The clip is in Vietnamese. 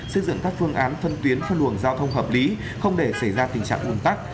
xây dựng các phương án phân tuyến phân luồng giao thông hợp lý không để xảy ra tình trạng ủn tắc